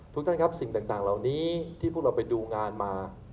ทุกท่านครับสิ่งต่างเหล่านี้ที่พวกเราไปดูงานมา